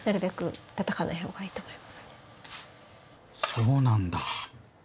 そうなんだ！